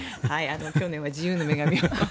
去年は自由の女神を。